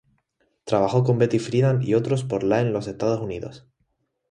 Trabajó con Betty Friedan y otros por la en los Estados Unidos.